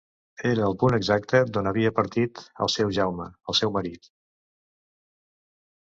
Era el punt exacte d’on havia partit el seu Jaume, el seu marit...